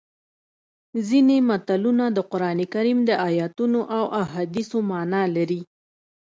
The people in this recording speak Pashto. ځینې متلونه د قرانکریم د ایتونو او احادیثو مانا لري